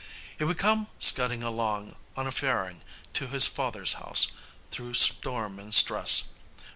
He would come scudding along on a Færing to his father's house through storm and stress.